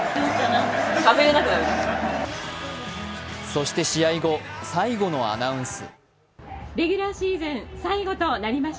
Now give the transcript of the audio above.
そして試合後、最後のアナウンス。